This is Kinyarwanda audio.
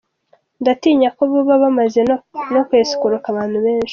Ndatinya ko boba bamaze no ku escroquant abantu benshi.